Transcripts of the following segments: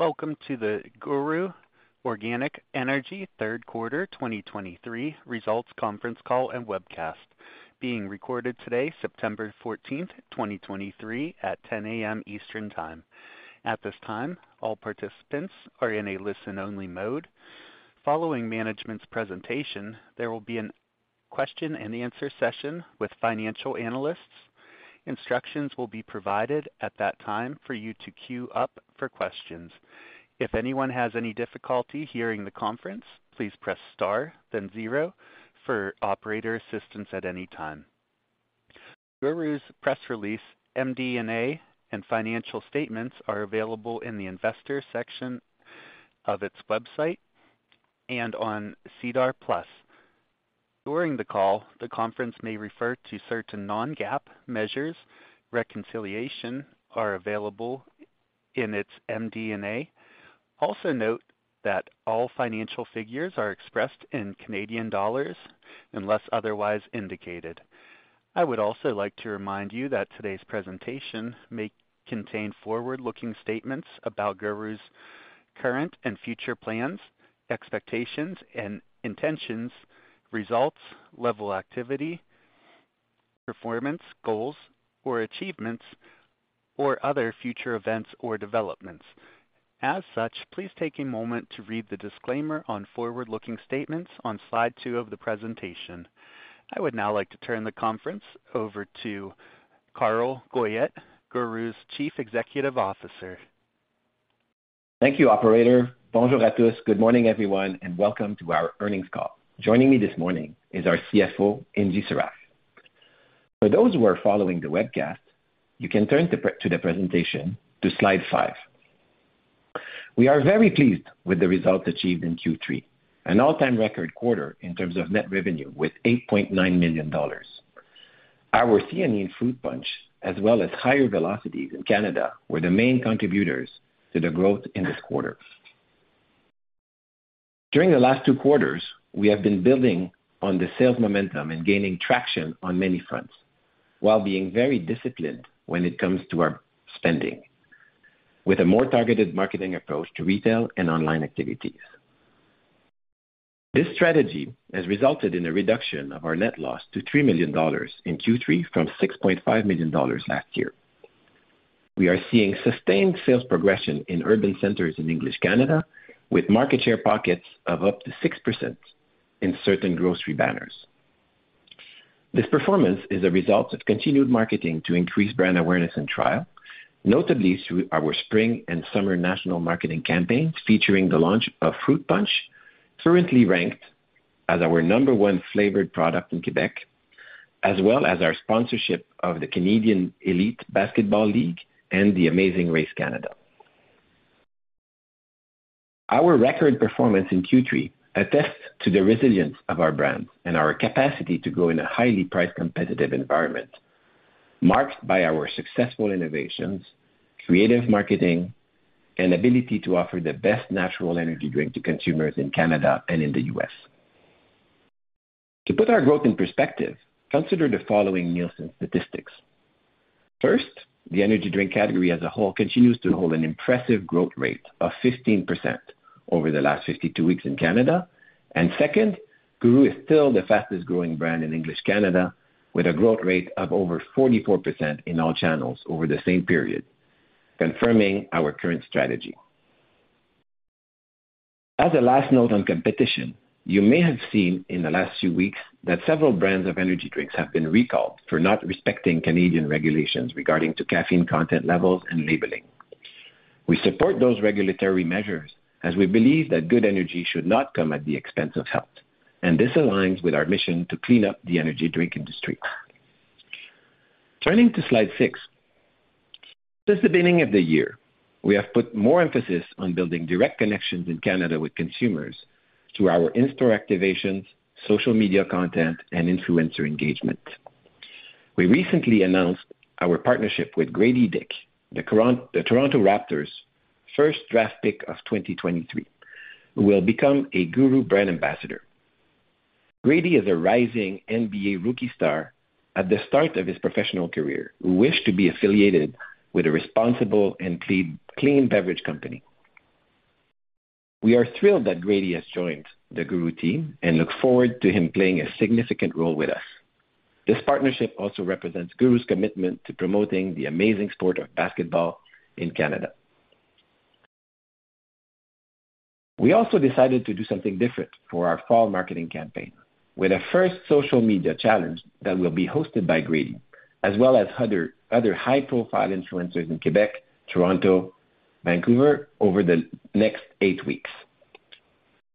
Welcome to the GURU Organic Energy Q3 2023 results conference call and webcast, being recorded today, September 14, 2023, at 10:00 A.M. Eastern Time. At this time, all participants are in a listen-only mode. Following management's presentation, there will be a question and answer session with financial analysts. Instructions will be provided at that time for you to queue up for questions. If anyone has any difficulty hearing the conference, please press Star, then zero for operator assistance at any time. GURU's press release, MD&A, and financial statements are available in the investor section of its website and on SEDAR+. During the call, the conference may refer to certain non-GAAP measures. Reconciliations are available in its MD&A. Also, note that all financial figures are expressed in Canadian dollars unless otherwise indicated. I would also like to remind you that today's presentation may contain forward-looking statements about GURU's current and future plans, expectations, and intentions, results, level activity, performance, goals, or achievements, or other future events or developments. As such, please take a moment to read the disclaimer on forward-looking statements on slide two of the presentation. I would now like to turn the conference over to Carl Goyette, GURU's Chief Executive Officer. Thank you, operator. Bonjour à tous. Good morning, everyone, and welcome to our earnings call. Joining me this morning is our CFO, Ingy Sarraf. For those who are following the webcast, you can turn to the presentation to slide five. We are very pleased with the results achieved in Q3, an all-time record quarter in terms of net revenue with 8.9 million dollars. Our GURU Fruit Punch, as well as higher velocities in Canada, were the main contributors to the growth in this quarter. During the last two quarters, we have been building on the sales momentum and gaining traction on many fronts, while being very disciplined when it comes to our spending, with a more targeted marketing approach to retail and online activities. This strategy has resulted in a reduction of our net loss to 3 million dollars in Q3 from 6.5 million dollars last year. We are seeing sustained sales progression in urban centers in English Canada, with market share pockets of up to 6% in certain grocery banners. This performance is a result of continued marketing to increase brand awareness and trial, notably through our spring and summer national marketing campaigns, featuring the launch of Fruit Punch, currently ranked as our number one flavored product in Quebec, as well as our sponsorship of the Canadian Elite Basketball League and The Amazing Race Canada. Our record performance in Q3 attests to the resilience of our brand and our capacity to grow in a highly price competitive environment, marked by our successful innovations, creative marketing, and ability to offer the best natural energy drink to consumers in Canada and in the U.S. To put our growth in perspective, consider the following Nielsen statistics. First, the energy drink category as a whole continues to hold an impressive growth rate of 15% over the last 52 weeks in Canada. Second, GURU is still the fastest growing brand in English Canada, with a growth rate of over 44% in all channels over the same period, confirming our current strategy. As a last note on competition, you may have seen in the last few weeks that several brands of energy drinks have been recalled for not respecting Canadian regulations regarding to caffeine content levels and labeling. We support those regulatory measures as we believe that good energy should not come at the expense of health, and this aligns with our mission to clean up the energy drink industry. Turning to slide six. Since the beginning of the year, we have put more emphasis on building direct connections in Canada with consumers through our in-store activations, social media content, and influencer engagement. We recently announced our partnership with Gradey Dck, the Toronto Raptors' first draft pick of 2023, who will become a GURU brand ambassador. Gradey is a rising NBA rookie star at the start of his professional career, who wished to be affiliated with a responsible and clean, clean beverage company. We are thrilled that Gradey has joined the GURU team and look forward to him playing a significant role with us. This partnership also represents GURU's commitment to promoting the amazing sport of basketball in Canada. We also decided to do something different for our fall marketing campaign, with a first social media challenge that will be hosted by Gradey, as well as other high-profile influencers in Quebec, Toronto, Vancouver over the next eight weeks.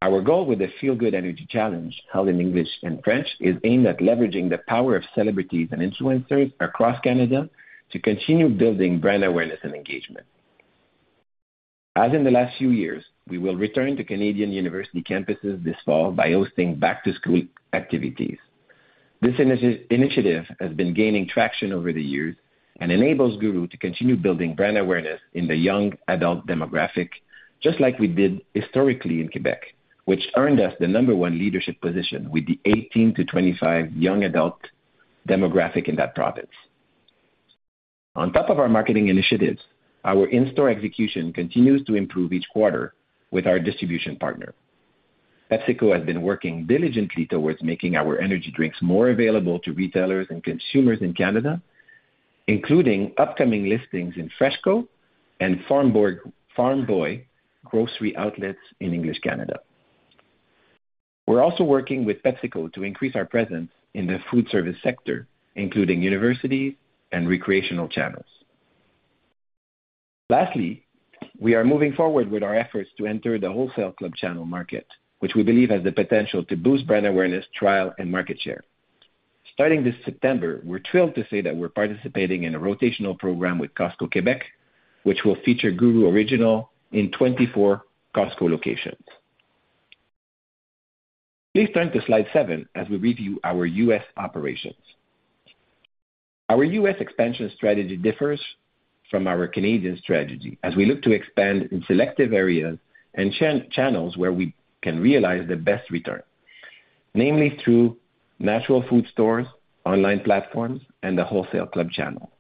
Our goal with the Feel Good Energy Challenge, held in English and French, is aimed at leveraging the power of celebrities and influencers across Canada to continue building brand awareness and engagement. As in the last few years, we will return to Canadian university campuses this fall by hosting back-to-school activities. This initiative has been gaining traction over the years and enables GURU to continue building brand awareness in the young adult demographic, just like we did historically in Quebec, which earned us the number one leadership position with the 18-25 young adult demographic in that province. On top of our marketing initiatives, our in-store execution continues to improve each quarter with our distribution partner. PepsiCo has been working diligently towards making our energy drinks more available to retailers and consumers in Canada, including upcoming listings in FreshCo and Farm Boy grocery outlets in English Canada. We're also working with PepsiCo to increase our presence in the food service sector, including universities and recreational channels. Lastly, we are moving forward with our efforts to enter the wholesale club channel market, which we believe has the potential to boost brand awareness, trial, and market share. Starting this September, we're thrilled to say that we're participating in a rotational program with Costco Quebec, which will feature GURU Original in 24 Costco locations. Please turn to slide seven as we review our U.S. operations. Our U.S. expansion strategy differs from our Canadian strategy as we look to expand in selective areas and channels where we can realize the best return, namely through natural food stores, online platforms, and the wholesale club channel.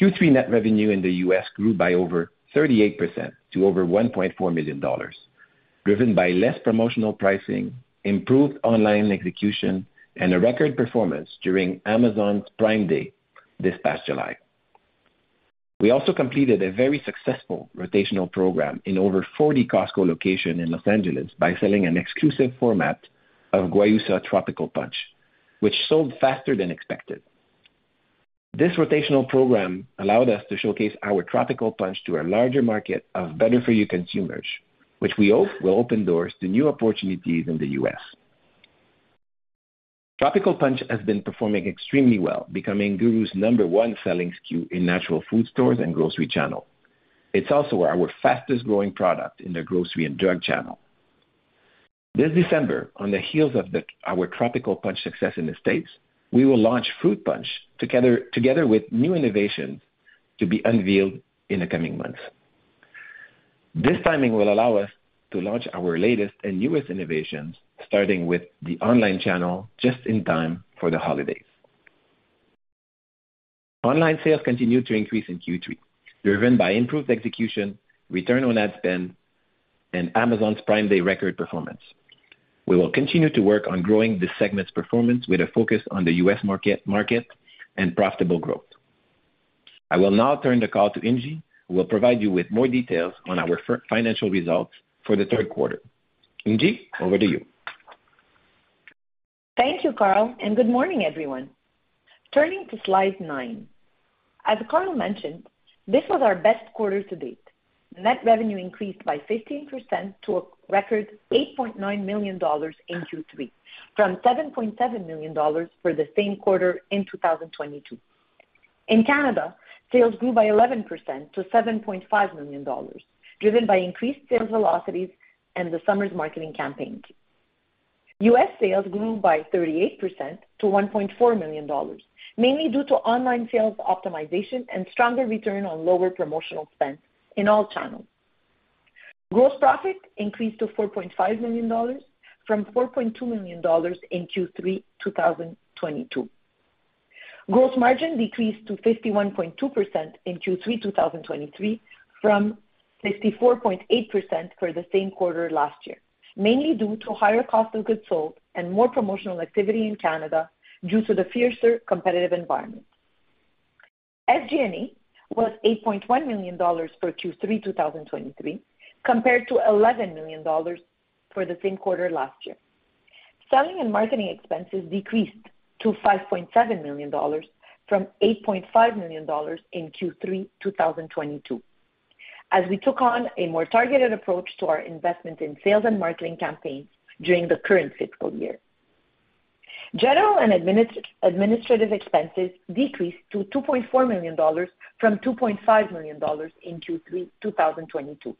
Q3 net revenue in the U.S. grew by over 38% to over $1.4 million, driven by less promotional pricing, improved online execution, and a record performance during Amazon's Prime Day this past July. We also completed a very successful rotational program in over 40 Costco locations in Los Angeles by selling an exclusive format of Guayusa Tropical Punch, which sold faster than expected. This rotational program allowed us to showcase our Tropical Punch to a larger market of better-for-you consumers, which we hope will open doors to new opportunities in the U.S. Tropical Punch has been performing extremely well, becoming GURU's number one selling SKU in natural food stores and grocery channel. It's also our fastest-growing product in the grocery and drug channel. This December, on the heels of our Tropical Punch success in the States, we will launch Fruit Punch, together with new innovations to be unveiled in the coming months. This timing will allow us to launch our latest and newest innovations, starting with the online channel, just in time for the holidays. Online sales continued to increase in Q3, driven by improved execution, return on ad spend, and Amazon's Prime Day record performance. We will continue to work on growing this segment's performance with a focus on the U.S. market and profitable growth. I will now turn the call to Ingy, who will provide you with more details on our financial results for the Q3. Ingy, over to you. Thank you, Carl, and good morning, everyone. Turning to slide nine. As Carl mentioned, this was our best quarter to date. Net revenue increased by 15% to a record 8.9 million dollars in Q3, from 7.7 million dollars for the same quarter in 2022. In Canada, sales grew by 11% to 7.5 million dollars, driven by increased sales velocities and the summer's marketing campaigns. US sales grew by 38% to 1.4 million dollars, mainly due to online sales optimization and stronger return on lower promotional spend in all channels. Gross profit increased to 4.5 million dollars from 4.2 million dollars in Q3, 2022. Gross margin decreased to 51.2% in Q3 2023, from 54.8% for the same quarter last year, mainly due to higher cost of goods sold and more promotional activity in Canada due to the fiercer competitive environment. SG&A was 8.1 million dollars for Q3 2023, compared to 11 million dollars for the same quarter last year. Selling and marketing expenses decreased to 5.7 million dollars from 8.5 million dollars in Q3 2022. As we took on a more targeted approach to our investment in sales and marketing campaigns during the current fiscal year. General and administrative expenses decreased to 2.4 million dollars from 2.5 million dollars in Q3 2022.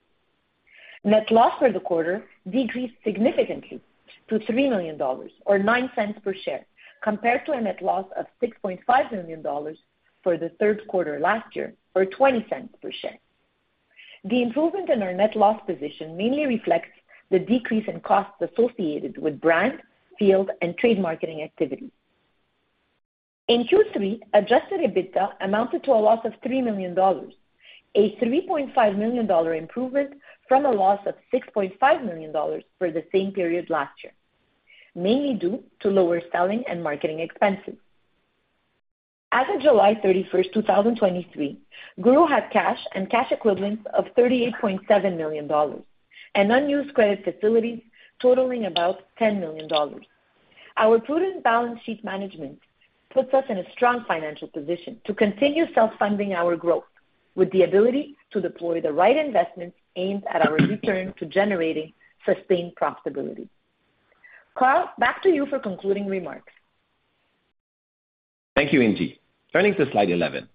Net loss for the quarter decreased significantly to 3 million dollars, or 0.09 per share, compared to a net loss of 6.5 million dollars for the Q3 last year or 0.20 per share. The improvement in our net loss position mainly reflects the decrease in costs associated with brand, field, and trade marketing activities. In Q3, Adjusted EBITDA amounted to a loss of 3 million dollars, a 3.5 million dollar improvement from a loss of 6.5 million dollars for the same period last year, mainly due to lower selling and marketing expenses. As of July 31, 2023, GURU had cash and cash equivalents of 38.7 million dollars and unused credit facilities totaling about 10 million dollars. Our prudent balance sheet management puts us in a strong financial position to continue self-funding our growth, with the ability to deploy the right investments aimed at our return to generating sustained profitability. Carl, back to you for concluding remarks. Thank you, Ingy. Turning to slide 11.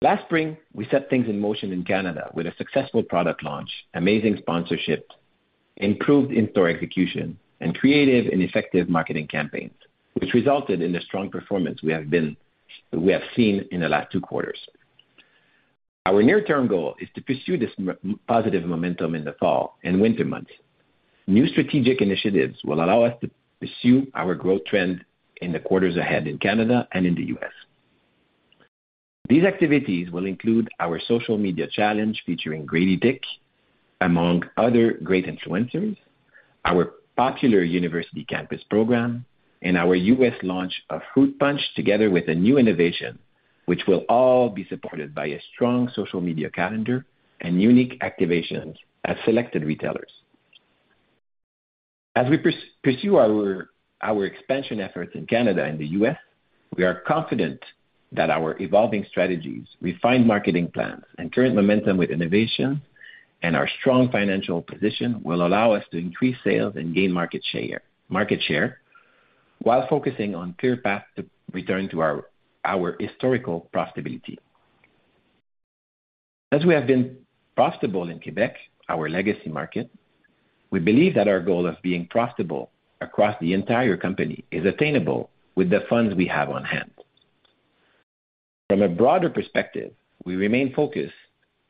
Last spring, we set things in motion in Canada with a successful product launch, amazing sponsorships, improved in-store execution, and creative and effective marketing campaigns, which resulted in the strong performance we have seen in the last two quarters. Our near-term goal is to pursue this positive momentum in the fall and winter months. New strategic initiatives will allow us to pursue our growth trend in the quarters ahead in Canada and in the U.S. These activities will include our social media challenge, featuring Gradey Dck, among other great influencers, our popular university campus program, and our U.S. launch of Fruit Punch, together with a new innovation, which will all be supported by a strong social media calendar and unique activations at selected retailers. As we pursue our expansion efforts in Canada and the US, we are confident that our evolving strategies, refined marketing plans, and current momentum with innovation, and our strong financial position will allow us to increase sales and gain market share, market share, while focusing on clear path to return to our historical profitability. As we have been profitable in Quebec, our legacy market, we believe that our goal of being profitable across the entire company is attainable with the funds we have on hand. From a broader perspective, we remain focused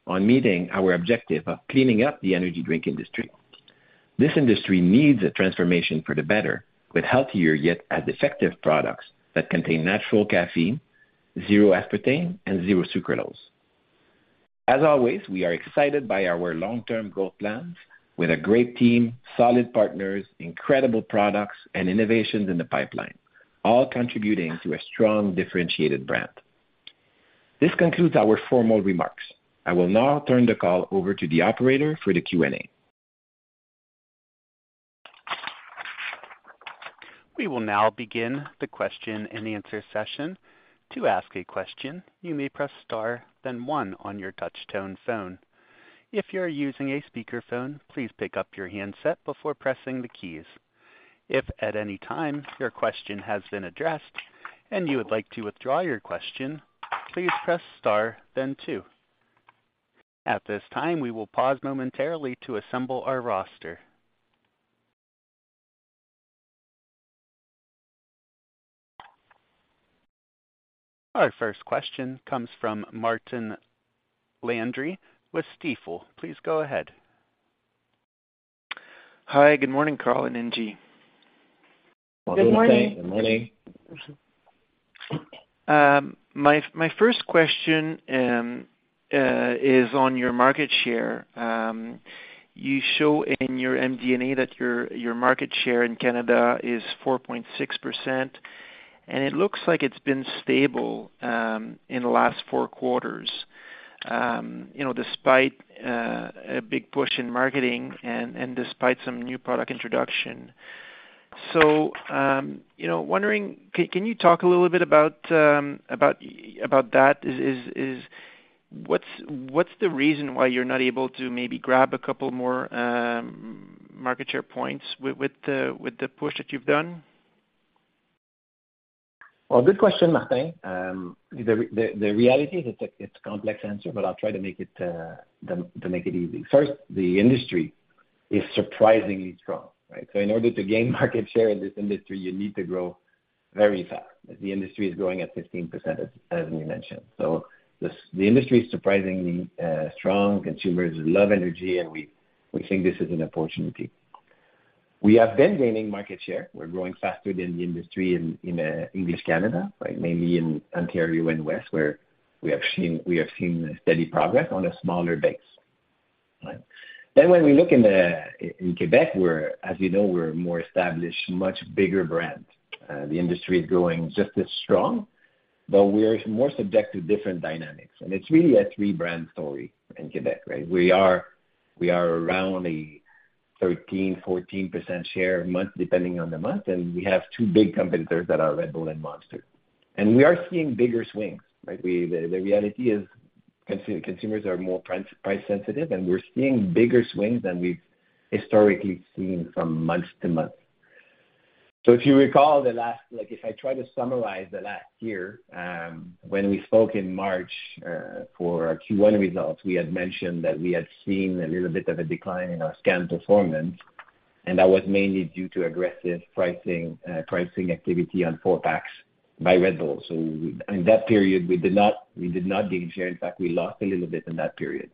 on meeting our objective of cleaning up the energy drink industry. This industry needs a transformation for the better, with healthier, yet as effective products, that contain natural caffeine, zero aspartame, and zero sucralose. As always, we are excited by our long-term goal plans with a great team, solid partners, incredible products, and innovations in the pipeline, all contributing to a strong, differentiated brand. This concludes our formal remarks. I will now turn the call over to the operator for the Q&A. We will now begin the question and answer session. To ask a question, you may press star then one on your touch tone phone. If you are using a speakerphone, please pick up your handset before pressing the keys. If at any time your question has been addressed and you would like to withdraw your question, please press star then two. At this time, we will pause momentarily to assemble our roster. Our first question comes from Martin Landry with Stifel. Please go ahead. Hi, good morning, Carl and Ingy. Good morning. Good morning. My first question is on your market share. You show in your MD&A that your market share in Canada is 4.6%, and it looks like it's been stable in the last four quarters. You know, despite a big push in marketing and despite some new product introduction. So, you know, wondering, can you talk a little bit about that? Is... What's the reason why you're not able to maybe grab a couple more market share points with the push that you've done? Well, good question, Martin. The reality is it's a complex answer, but I'll try to make it easy. First, the industry is surprisingly strong, right? So in order to gain market share in this industry, you need to grow very fast. The industry is growing at 15%, as we mentioned. So the industry is surprisingly strong. Consumers love energy, and we think this is an opportunity. We have been gaining market share. We're growing faster than the industry in English Canada, right? Mainly in Ontario and West, where we have seen steady progress on a smaller base. Right. Then when we look in Quebec, we're, as you know, we're a more established, much bigger brand. The industry is growing just as strong, but we are more subject to different dynamics. It's really a three-brand story in Quebec, right? We are around a 13%-14% share a month, depending on the month, and we have two big competitors that are Red Bull and Monster. We are seeing bigger swings, right? The reality is consumers are more price sensitive, and we're seeing bigger swings than we've historically seen from month to month. So if you recall the last, like, if I try to summarize the last year, when we spoke in March, for our Q1 results, we had mentioned that we had seen a little bit of a decline in our scan performance, and that was mainly due to aggressive pricing activity on four packs by Red Bull. So in that period, we did not, we did not gain share. In fact, we lost a little bit in that period.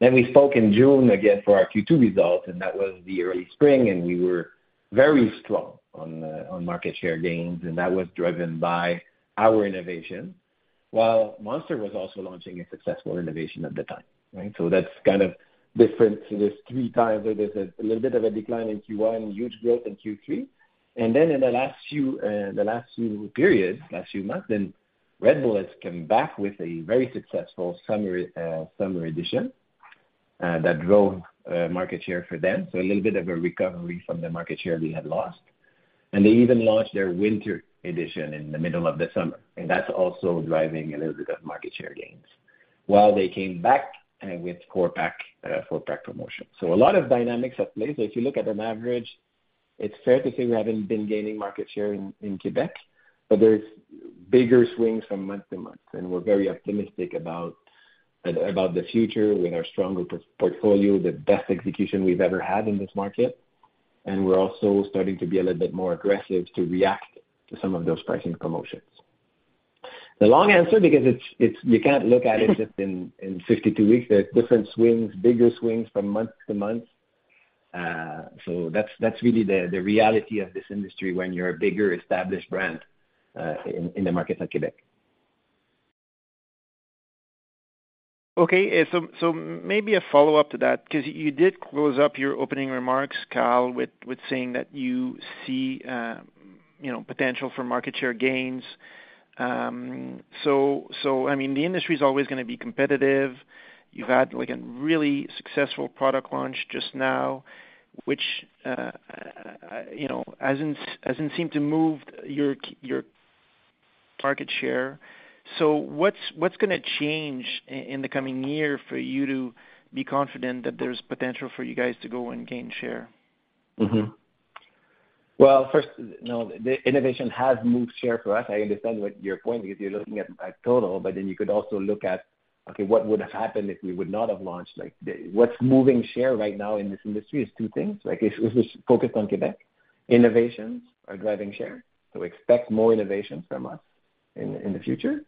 Then we spoke in June again for our Q2 results, and that was the early spring, and we were very strong on, on market share gains, and that was driven by our innovation, while Monster was also launching a successful innovation at the time, right? So that's kind of different. There's three times, where there's a little bit of a decline in Q1, huge growth in Q3. And then in the last few, the last few periods, last few months, then Red Bull has come back with a very successful summer summer edition that drove market share for them. So a little bit of a recovery from the market share we had lost. They even launched their winter edition in the middle of the summer, and that's also driving a little bit of market share gains. While they came back with 4-pack promotion. A lot of dynamics at play. If you look at an average, it's fair to say we haven't been gaining market share in Quebec, but there's bigger swings from month to month, and we're very optimistic about the future with our stronger portfolio, the best execution we've ever had in this market, and we're also starting to be a little bit more aggressive to react to some of those pricing promotions. The long answer, because you can't look at it just in 52 weeks. There are different swings, bigger swings from month to month. So that's really the reality of this industry when you're a bigger, established brand in the markets like Quebec. Okay. So, maybe a follow-up to that, because you did close up your opening remarks, Carl, with saying that you see, you know, potential for market share gains. So, I mean, the industry is always gonna be competitive. You've had, like a really successful product launch just now, which, you know, hasn't seemed to move your your market share. So what's gonna change in the coming year for you to be confident that there's potential for you guys to go and gain share? Mm-hmm. Well, first, you know, the innovation has moved share for us. I understand what your point, because you're looking at by total, but then you could also look at, okay, what would have happened if we would not have launched? Like what's moving share right now in this industry is two things, like, is, is focused on Quebec. Innovations are driving share, so expect more innovations from us in, in the future.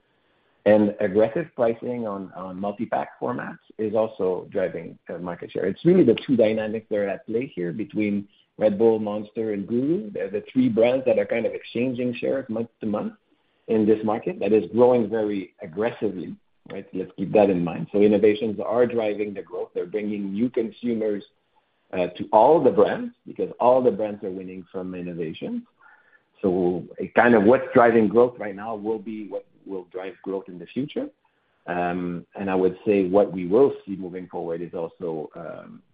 And aggressive pricing on, on multi-pack formats is also driving, market share. It's really the two dynamics that are at play here between Red Bull, Monster, and GURU. They're the three brands that are kind of exchanging share month to month in this market that is growing very aggressively, right? Let's keep that in mind. So innovations are driving the growth. They're bringing new consumers to all the brands, because all the brands are winning from innovation. So kind of what's driving growth right now will be what will drive growth in the future. And I would say what we will see moving forward is also,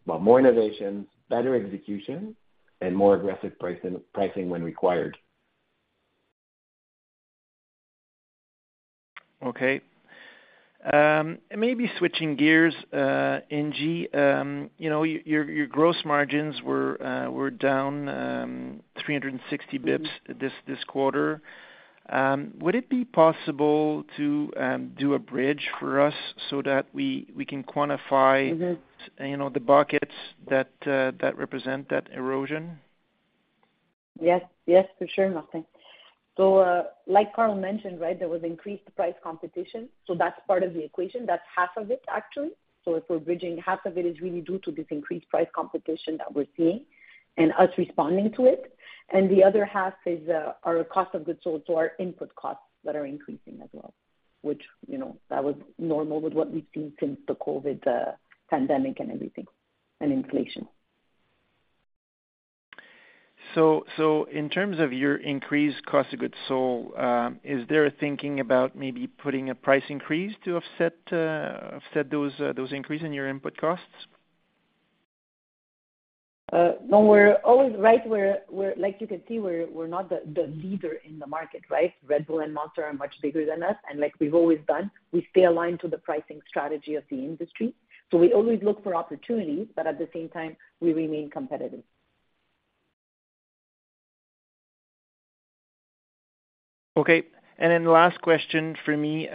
well, more innovations, better execution, and more aggressive pricing, pricing when required. Okay. Maybe switching gears, Ingy. You know, your gross margins were down 360 basis points this quarter. Would it be possible to do a bridge for us so that we can quantify- Mm-hmm. you know, the buckets that, that represent that erosion? Yes. Yes, for sure, Martin. So, like Carl mentioned, right, there was increased price competition, so that's part of the equation. That's half of it, actually. So if we're bridging, half of it is really due to this increased price competition that we're seeing and us responding to it. And the other half is, our cost of goods sold, so our input costs that are increasing as well, which, you know, that was normal with what we've seen since the COVID pandemic and everything, and inflation. In terms of your increased cost of goods sold, is there a thinking about maybe putting a price increase to offset those increases in your input costs? No, we're always right where we're—like you can see, we're not the leader in the market, right? Red Bull and Monster are much bigger than us, and like we've always done, we stay aligned to the pricing strategy of the industry. So we always look for opportunities, but at the same time, we remain competitive. Okay, and then the last question for me.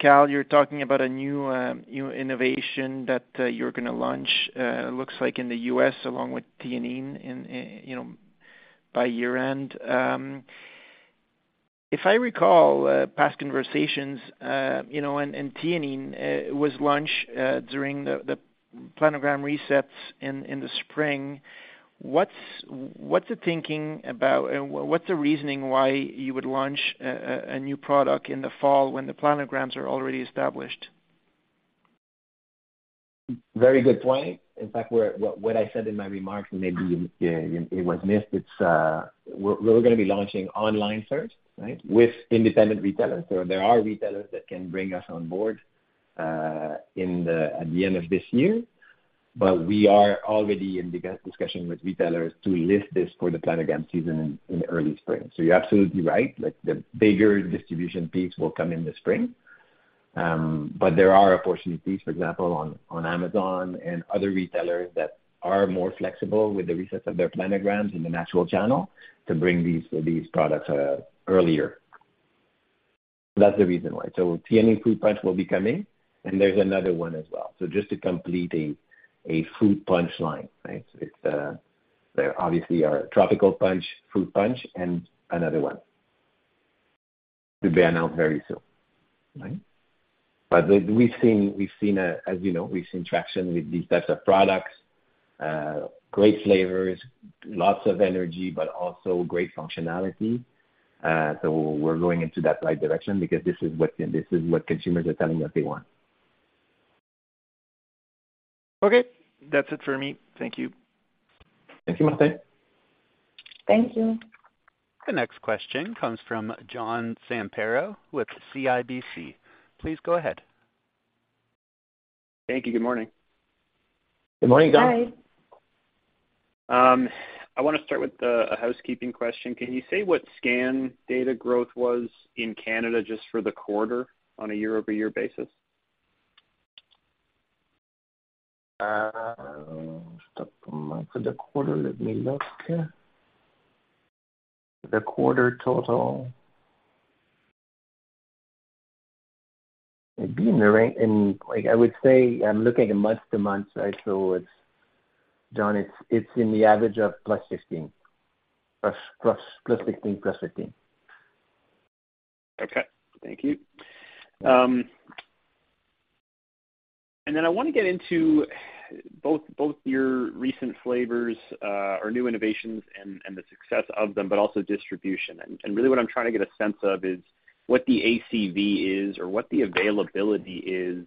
Carl, you're talking about a new innovation that you're gonna launch, looks like in the U.S. along with Theanine in, you know, by year-end. If I recall past conversations, you know, and Theanine was launched during the Planogram resets in the spring. What's the thinking about and what's the reasoning why you would launch a new product in the fall when the Planograms are already established? Very good point. In fact, what I said in my remarks, maybe it was missed. It's we're gonna be launching online first, right? With independent retailers. So there are retailers that can bring us on board at the end of this year. But we are already in discussion with retailers to list this for the planogram season in early spring. So you're absolutely right, like, the bigger distribution peaks will come in the spring. But there are a portion of these, for example, on Amazon and other retailers that are more flexible with the reset of their planograms in the natural channel to bring these products earlier. That's the reason why. So Theanine Fruit Punch will be coming, and there's another one as well. So just to complete a fruit punch line, right? It's there, obviously, our Tropical Punch, Fruit Punch, and another one to be announced very soon, right? But we've seen, as you know, traction with these types of products, great flavors, lots of energy, but also great functionality. So we're going into that right direction because this is what consumers are telling us they want. Okay. That's it for me. Thank you. Thank you, Martin. Thank you. The next question comes from John Zamparo with CIBC. Please go ahead. Thank you. Good morning. Good morning, John. Hi. I wanna start with a housekeeping question. Can you say what scan data growth was in Canada just for the quarter on a year-over-year basis? For the quarter, let me look here. It'd be in the rank, and like I would say, I'm looking at month-to-month, right? So it's, John, it's in the average of +16. Plus, plus, +16, +15. Okay, thank you. And then I wanna get into both your recent flavors or new innovations and the success of them, but also distribution. And really what I'm trying to get a sense of is what the ACV is, or what the availability is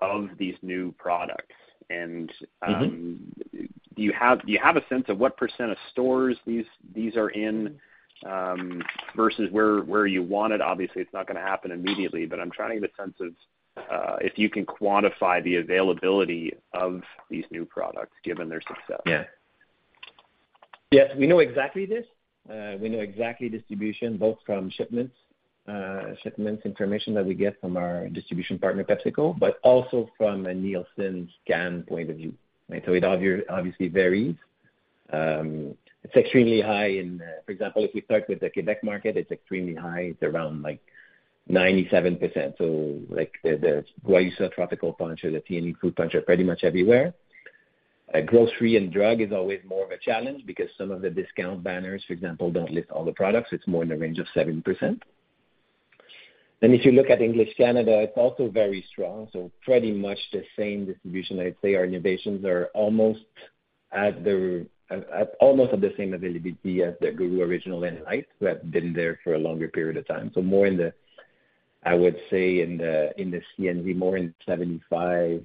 of these new products. Mm-hmm. Do you have, do you have a sense of what percent of stores these, these are in versus where, where you want it? Obviously, it's not gonna happen immediately, but I'm trying to get a sense of if you can quantify the availability of these new products given their success. Yeah. Yes, we know exactly this. We know exactly distribution, both from shipments, shipments information that we get from our distribution partner, PepsiCo, but also from a Nielsen scan point of view, right? So it obviously varies. It's extremely high in, for example, if we start with the Quebec market, it's extremely high. It's around like 97%. So like, the, the Guayusa Tropical Punch or the Theanine Fruit Punch are pretty much everywhere. Grocery and drug is always more of a challenge because some of the discount banners, for example, don't list all the products. It's more in the range of 70%. Then if you look at English Canada, it's also very strong, so pretty much the same distribution. I'd say our innovations are almost at the same availability as the GURU Original and Lite, that have been there for a longer period of time. So more in the ACV, more in 75%-80%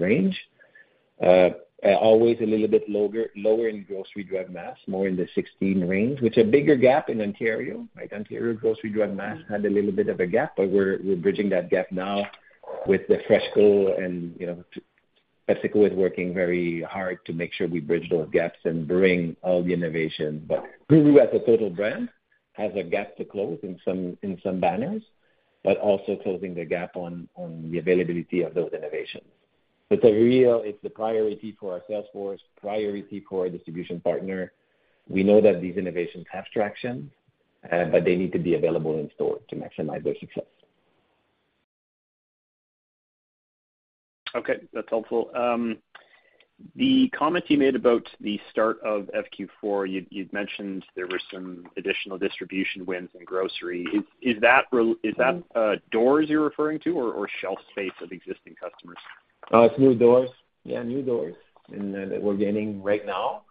range. Always a little bit lower in grocery drug mass, more in the 16% range, which a bigger gap in Ontario. Like, Ontario grocery drug mass had a little bit of a gap, but we're bridging that gap now with the FreshCo, and, you know, PepsiCo is working very hard to make sure we bridge those gaps and bring all the innovation. But GURU, as a total brand, has a gap to close in some banners, but also closing the gap on the availability of those innovations. It's a real... It's the priority for our sales force, priority for our distribution partner. We know that these innovations have traction, but they need to be available in store to maximize their success. Okay, that's helpful. The comments you made about the start of FQ4, you'd mentioned there were some additional distribution wins in grocery. Is that re- Mm-hmm. Is that doors you're referring to or shelf space of existing customers? It's new doors. Yeah, new doors. And that we're gaining right now.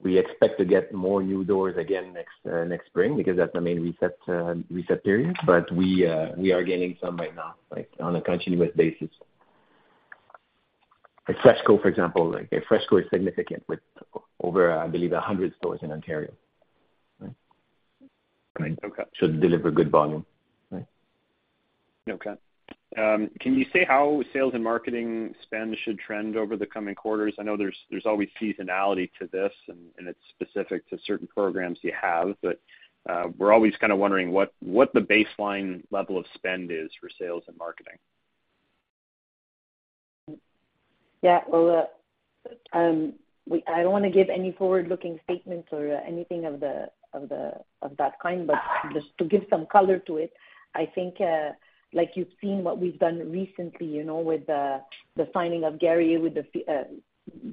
We expect to get more new doors again next, next spring, because that's the main reset, reset period. But we, we are gaining some right now, like, on a continuous basis. Like FreshCo, for example, like FreshCo is significant with over, I believe, 100 stores in Ontario, right? Okay. Should deliver good volume, right? Okay. Can you say how sales and marketing spend should trend over the coming quarters? I know there's always seasonality to this and it's specific to certain programs you have, but we're always kind of wondering what the baseline level of spend is for sales and marketing. Yeah. Well, I don't wanna give any forward-looking statements or anything of that kind, but just to give some color to it, I think, like you've seen what we've done recently, you know, with the signing of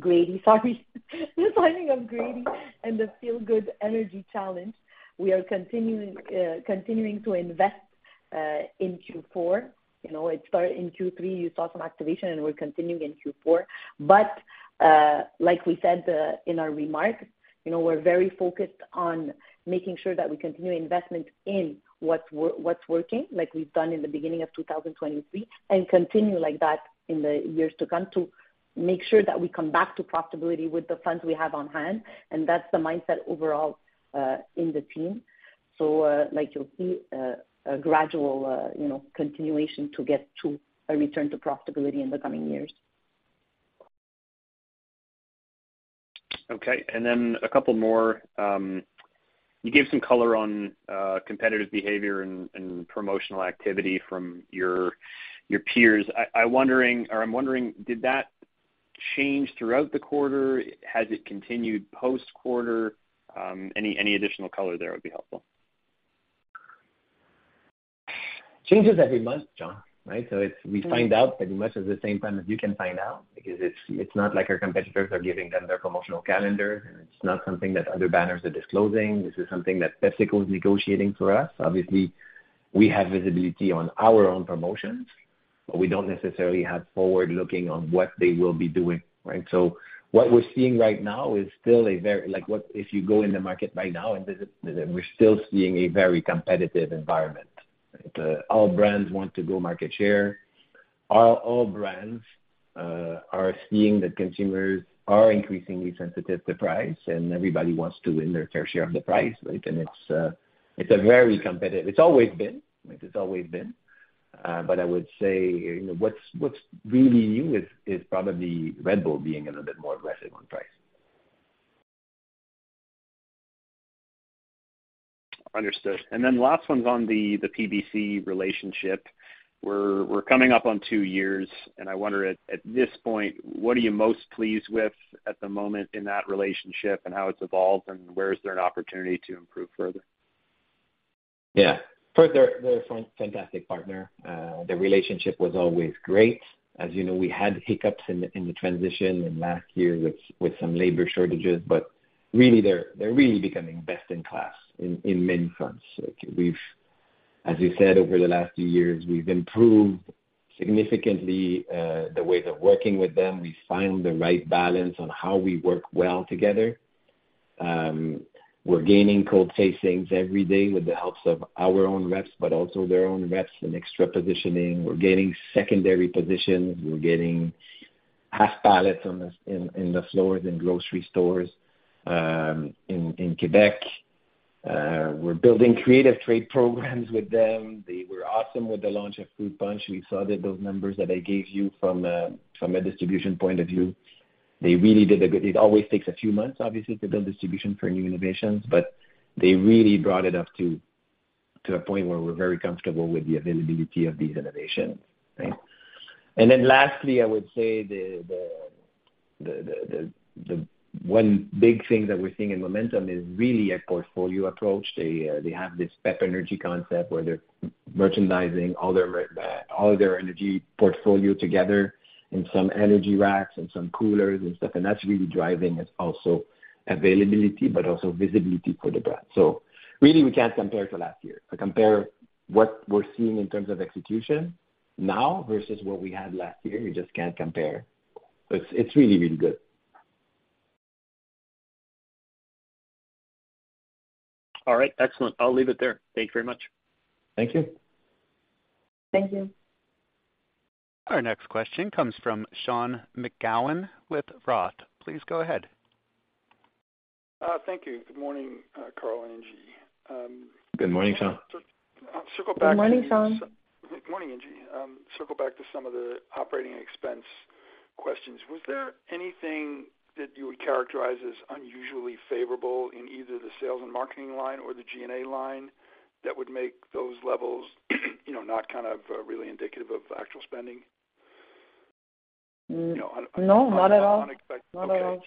Gradey, sorry. The signing of Gradey and the Feel Good Energy Challenge. We are continuing to invest in Q4. You know, it started in Q3, you saw some activation, and we're continuing in Q4. But, like we said in our remarks, you know, we're very focused on making sure that we continue investment in what's working, like we've done in the beginning of 2023, and continue like that in the years to come, to make sure that we come back to profitability with the funds we have on hand, and that's the mindset overall in the team. So, like you'll see, a gradual, you know, continuation to get to a return to profitability in the coming years. Okay, and then a couple more. You gave some color on competitive behavior and promotional activity from your peers. I'm wondering, did that change throughout the quarter? Has it continued post-quarter? Any additional color there would be helpful. Changes every month, John, right? So it's- Mm-hmm. We find out pretty much at the same time that you can find out, because it's not like our competitors are giving them their promotional calendars, and it's not something that other banners are disclosing. This is something that PepsiCo is negotiating for us. Obviously, we have visibility on our own promotions, but we don't necessarily have forward looking on what they will be doing, right? So what we're seeing right now is still a very, like what. If you go in the market right now and visit, we're still seeing a very competitive environment. All brands want to grow market share. All brands are seeing that consumers are increasingly sensitive to price, and everybody wants to win their fair share of the price, like, and it's a very competitive. It's always been, like it's always been. I would say, you know, what's really new is probably Red Bull being a little bit more aggressive on price. Understood. And then last one's on the PBC relationship. We're coming up on two years, and I wonder at this point, what are you most pleased with at the moment in that relationship and how it's evolved, and where is there an opportunity to improve further?... Yeah. First, they're a fantastic partner. The relationship was always great. As you know, we had hiccups in the transition in last year with some labor shortages, but really they're really becoming best in class in many fronts. Like, we've, as we said, over the last few years, we've improved significantly the way of working with them. We found the right balance on how we work well together. We're gaining cold facings every day with the help of our own reps, but also their own reps and extra positioning. We're getting secondary positions. We're getting half pallets on the floors in grocery stores in Quebec. We're building creative trade programs with them. They were awesome with the launch of Fruit Punch. We saw that those numbers that I gave you from a distribution point of view, they really did a good job. It always takes a few months, obviously, to build distribution for new innovations, but they really brought it up to a point where we're very comfortable with the availability of these innovations, right? And then lastly, I would say the one big thing that we're seeing in momentum is really a portfolio approach. They have this Pepsi energy concept where they're merchandising all their energy portfolio together in some energy racks and some coolers and stuff, and that's really driving. It's also availability, but also visibility for the brand. So really, we can't compare to last year. To compare what we're seeing in terms of execution now versus what we had last year, you just can't compare. It's really, really good. All right, excellent. I'll leave it there. Thank you very much. Thank you. Thank you. Our next question comes from Sean McGowan with Roth. Please go ahead. Thank you. Good morning, Carl and Ingy. Good morning, Sean. I'll circle back- Good morning, Sean. Good morning, Ingy. Circle back to some of the operating expense questions. Was there anything that you would characterize as unusually favorable in either the sales and marketing line or the G&A line that would make those levels, you know, not kind of, really indicative of actual spending? Mm, no, not at all. Unexpected. Not at all.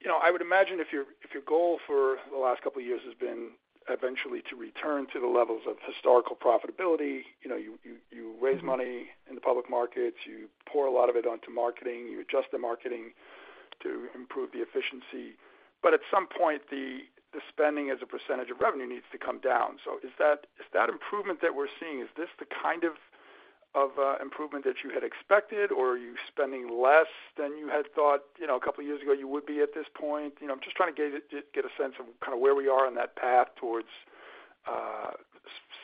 You know, I would imagine if your goal for the last couple of years has been eventually to return to the levels of historical profitability, you know, you raise money in the public markets, you pour a lot of it onto marketing, you adjust the marketing to improve the efficiency. But at some point, the spending as a percentage of revenue needs to come down. So is that improvement that we're seeing, is this the kind of improvement that you had expected, or are you spending less than you had thought, you know, a couple of years ago, you would be at this point? You know, I'm just trying to get a sense of kinda where we are on that path towards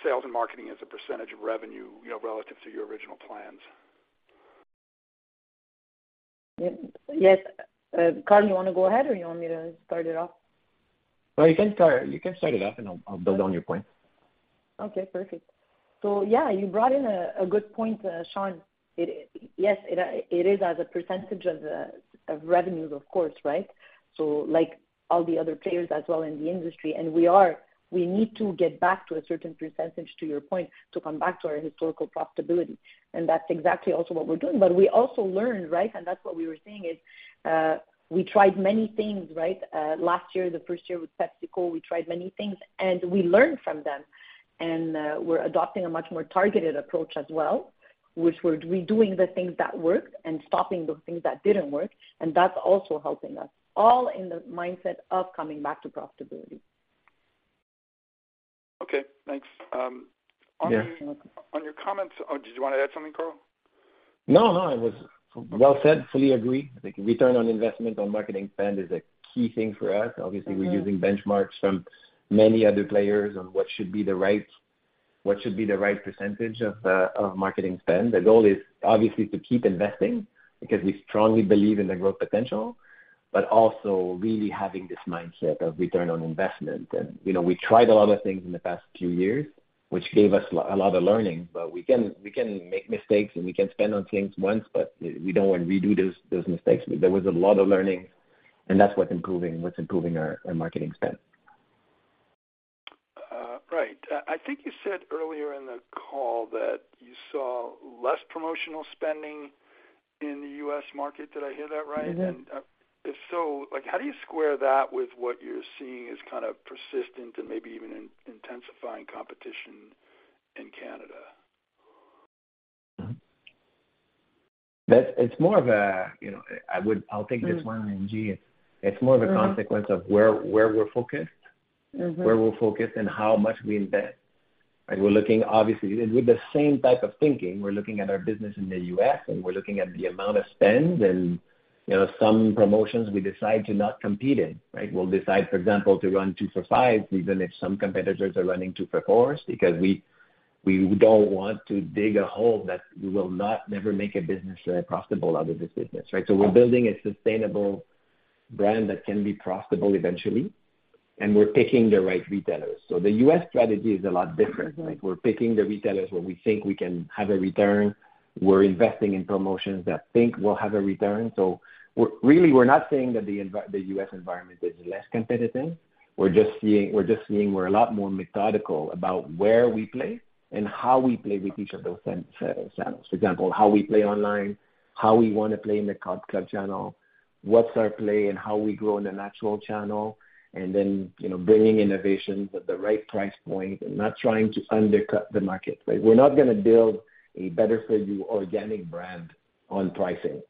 sales and marketing as a percentage of revenue, you know, relative to your original plans. Yes. Carl, you wanna go ahead, or you want me to start it off? No, you can start, you can start it off, and I'll, I'll build on your point. Okay, perfect. So yeah, you brought in a good point, Sean. Yes, it is as a percentage of the revenues, of course, right? So like all the other players as well in the industry, and we need to get back to a certain percentage, to your point, to come back to our historical profitability, and that's exactly also what we're doing. But we also learned, right? And that's what we were seeing is we tried many things, right? Last year, the first year with PepsiCo, we tried many things, and we learned from them. And we're adopting a much more targeted approach as well, which we're redoing the things that worked and stopping the things that didn't work, and that's also helping us. All in the mindset of coming back to profitability. Okay, thanks. Yeah. On your comments... Oh, did you want to add something, Carl? No, no, it was well said. Fully agree. The return on investment on marketing spend is a key thing for us. Mm-hmm. Obviously, we're using benchmarks from many other players on what should be the right, what should be the right percentage of marketing spend. The goal is obviously to keep investing because we strongly believe in the growth potential, but also really having this mindset of return on investment. And, you know, we tried a lot of things in the past few years, which gave us a lot of learning, but we can, we can make mistakes, and we can spend on things once, but we don't want to redo those, those mistakes. There was a lot of learning, and that's what's improving, what's improving our marketing spend. Right. I think you said earlier in the call that you saw less promotional spending in the U.S. market. Did I hear that right? Mm-hmm. If so, like, how do you square that with what you're seeing as kind of persistent and maybe even intensifying competition in Canada? It's more of a, you know, I'll take this one, Ingy. Mm. It's more of a consequence- Mm... of where we're focused. Mm-hmm. Where we're focused and how much we invest. We're looking, obviously, with the same type of thinking, we're looking at our business in the US, and we're looking at the amount of spend and, you know, some promotions we decide to not compete in, right? We'll decide, for example, to run two for five, even if some competitors are running two for four because we, we don't want to dig a hole that we will not never make a business profitable out of this business, right? We're building a sustainable brand that can be profitable eventually, and we're picking the right retailers. The US strategy is a lot different. Mm-hmm. Like, we're picking the retailers where we think we can have a return. We're investing in promotions that we think we'll have a return. So we're, really, we're not saying that the envi- the U.S. environment is less competitive. We're just seeing, we're just seeing we're a lot more methodical about where we play and how we play with each of those channels. For example, how we play online, how we want to play in the club channel, what's our play and how we grow in the natural channel, and then, you know, bringing innovations at the right price point and not trying to undercut the market. Like, we're not gonna build a better for you organic brand on pricing.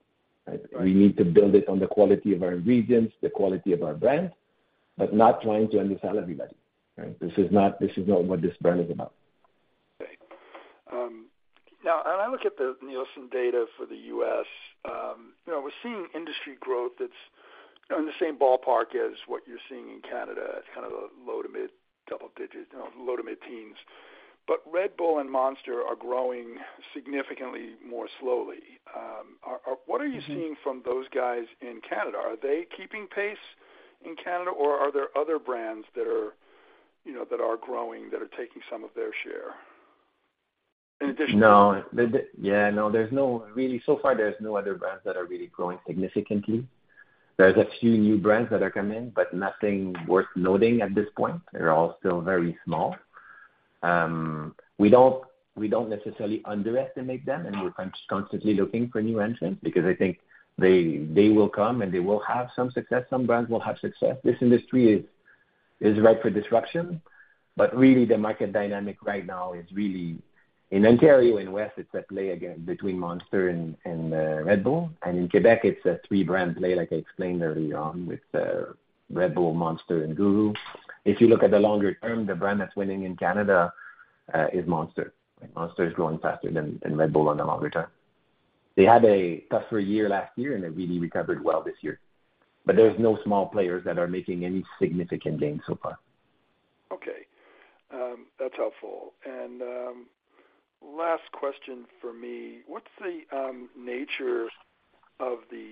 Right. We need to build it on the quality of our regions, the quality of our brand... but not trying to undersell everybody, right? This is not, this is not what this brand is about. Okay. Now, when I look at the Nielsen data for the U.S., you know, we're seeing industry growth that's in the same ballpark as what you're seeing in Canada. It's kind of a low to mid double digits, you know, low to mid teens. But Red Bull and Monster are growing significantly more slowly. Are... What are you seeing from those guys in Canada? Are they keeping pace in Canada, or are there other brands that are, you know, that are growing, that are taking some of their share in addition? No. The... Yeah, no, there's no really, so far, there's no other brands that are really growing significantly. There's a few new brands that are coming in, but nothing worth noting at this point. They're all still very small. We don't, we don't necessarily underestimate them, and we're constantly looking for new entrants because I think they will come, and they will have some success. Some brands will have success. This industry is ripe for disruption, but really, the market dynamic right now is really in Ontario and West, it's at play again between Monster and Red Bull. And in Quebec, it's a three-brand play, like I explained earlier on, with Red Bull, Monster, and GURU. If you look at the longer term, the brand that's winning in Canada is Monster. Monster is growing faster than Red Bull on the longer term. They had a tougher year last year, and they really recovered well this year. But there's no small players that are making any significant gains so far. Okay, that's helpful. And, last question for me. What's the nature of the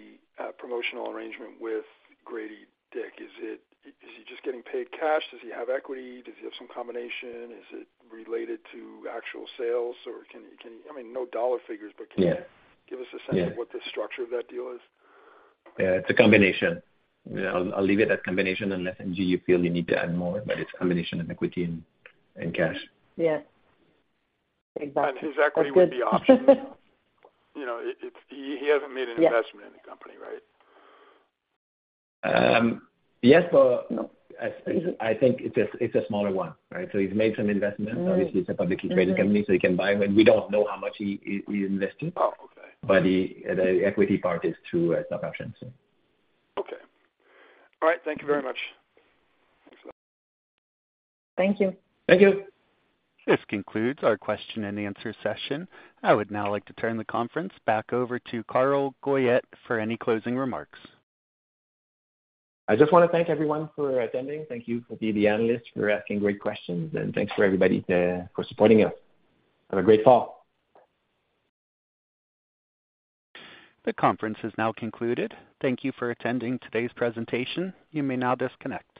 promotional arrangement with Gradey Dick? Is it... Is he just getting paid cash? Does he have equity? Does he have some combination? Is it related to actual sales, or... I mean, no dollar figures- Yeah. But can you give us a sense of what the structure of that deal is? Yeah, it's a combination. Yeah, I'll, I'll leave it at combination unless, Ingy, you feel you need to add more, but it's a combination of equity and, and cash. Yeah, exactly. His equity would be options. You know, it's he hasn't made an investment. Yeah. -in the company, right? Yes, but- No. I think it's a, it's a smaller one, right? So he's made some investments. Mm, okay. Obviously, it's a publicly traded company, so he can buy, but we don't know how much he invested. Oh, okay. But the equity part is through stock options so. Okay. All right. Thank you very much. Thank you. Thank you. This concludes our question and answer session. I would now like to turn the conference back over to Carl Goyette for any closing remarks. I just wanna thank everyone for attending. Thank you for the analysts for asking great questions, and thanks for everybody for supporting us. Have a great fall. The conference is now concluded. Thank you for attending today's presentation. You may now disconnect.